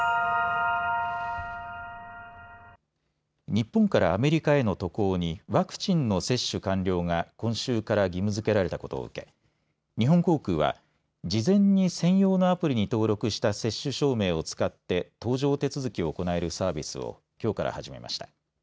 日本からアメリカへの渡航にワクチンの接種完了が今週から義務づけられたことを受け日本航空は事前に専用のアプリに登録した接種証明を使って搭乗手続きを行えるサービスをきょうから始めました。